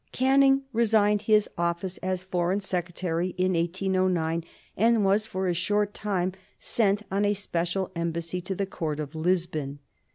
Canning resigned his office as Foreign Secretary in 1809, and was for a short time sent on a special embassy to the Court of Lisbon.